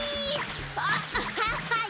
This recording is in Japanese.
アッハッハッ！